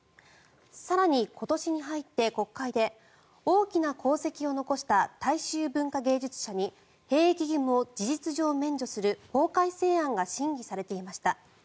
更に今年に入って国会で大きな功績を残した大衆文化芸術者に兵役義務を事実上免除する法改正案が審議されていました。